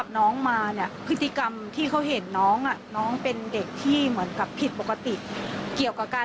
ฟังเสียงคุณแม่และก็น้องที่เสียชีวิตค่ะ